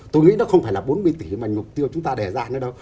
tôi nghĩ nó không phải là bốn mươi tỷ mà nhục tiêu chúng ta đề ra nữa đâu